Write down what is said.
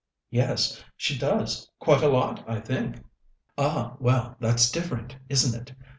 "Yes, she does. Quite a lot, I think." "Ah, well, that's different, isn't it?"